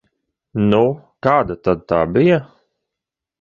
Nu, kāda tad tā bija?